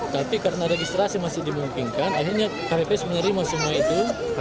tapi karena registrasi masih dimungkinkan akhirnya kpps menerima semua itu